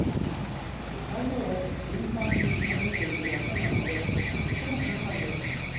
材料を順番に混ぜていくだけなのでとっても簡単です。